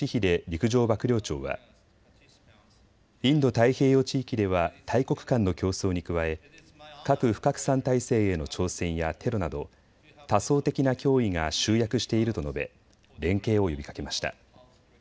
陸上幕僚長はインド太平洋地域では大国間の競争に加え核不拡散体制への挑戦やテロなど多層的な脅威が集約していると述べ連携を呼びかけました。